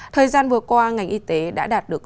thời gian vừa qua ngành y tế đã đạt được